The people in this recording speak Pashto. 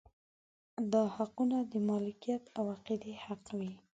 دا حقونه د مالکیت او عقیدې حق وي.